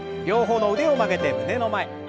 両方の腕を曲げて胸の前。